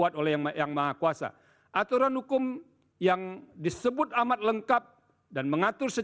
saya meyakini bahwa tidak ada aturan hukum yang seharusnya diaturkan pada aturan hukum pemilu